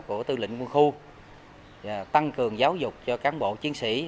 của tư lệnh quân khu tăng cường giáo dục cho cán bộ chiến sĩ